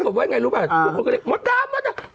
ก็กดไว้ไงรู้ป่ะทุกคนก็เล่นมั๊ดดามมั๊ดดาม